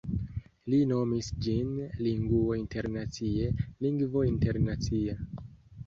li nomis ĝin Linguo internacie, lingvo internacia.